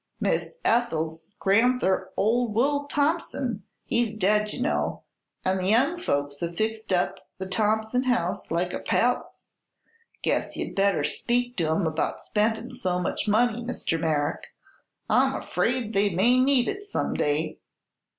"Miss Ethel's gran'ther, ol' Will Thompson, he's dead, you know, an' the young folks hev fixed up the Thompson house like a palace. Guess ye'd better speak to 'em about spendin' so much money, Mr. Merrick; I'm 'fraid they may need it some day."